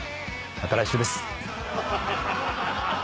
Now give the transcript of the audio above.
また来週です。